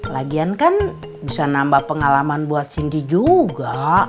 lagian kan bisa nambah pengalaman buat cindy juga